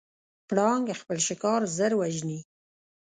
پړانګ خپل ښکار ژر وژني.